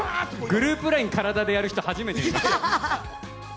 グループＬＩＮＥ、体でやる人、初めて見ました。